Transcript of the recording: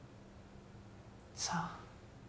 さあ